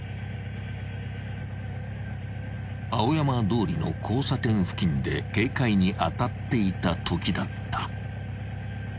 ［青山通りの交差点付近で警戒に当たっていたときだった］